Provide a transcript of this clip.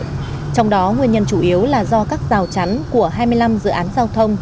trong đó nguyên nhân chủ yếu là do các rào chắn của hai mươi năm dự án giao thông